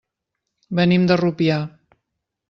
Venim de Rupià.